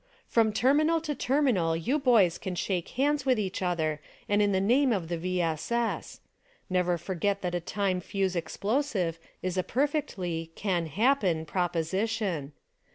From terminal to terminal you boys can shake hands with each other and in the name of the V. S. S. ! Never forget that a time fuse explosive is a perfectly, can happen, proposition.